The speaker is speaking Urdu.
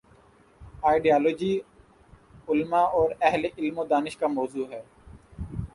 آئیڈیالوجی، علما اور اہل علم و دانش کا موضوع ہے۔